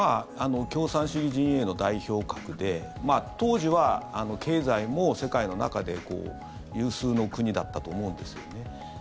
共産主義陣営の代表格で当時は経済も世界の中で有数の国だったと思うんですよね。